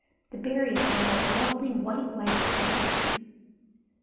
The berries are like lovely white wax beads."